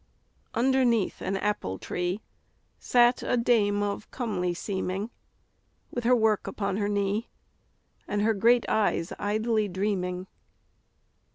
Underneath an apple tree Sat a dame of comely seeming, With her work upon her knee, And her great eyes idly dreaming.